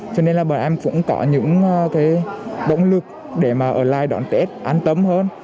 cho nên là bọn em cũng có những cái động lực để mà ở lại đón tết an tâm hơn